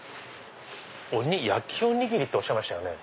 焼きおにぎりっておっしゃいましたよね。